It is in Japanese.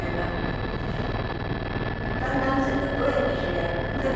一般男性とどうやって知り合ったの？